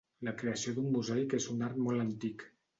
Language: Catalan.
La creació d'un mosaic és un art molt antic.